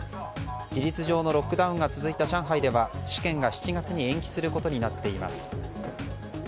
事実上のロックダウンが続いた上海では試験が７月に延期することになっています。